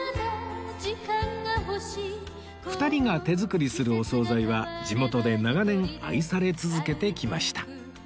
２人が手作りするお総菜は地元で長年愛され続けてきました